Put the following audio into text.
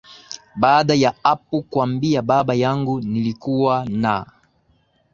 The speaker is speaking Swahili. baada ya hapo kuambia baba yangu nilikuwa na